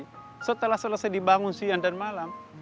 kalau telah selesai dibangun siang dan malam